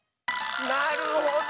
なるほど！